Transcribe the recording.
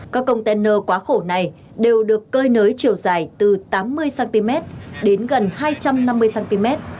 các công tên ơ quá khổ này đều được cơi nới chiều dài từ tám mươi cm đến gần hai trăm năm mươi cm